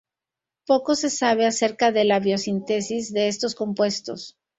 Poco se sabe acerca de la biosíntesis de estos compuestos.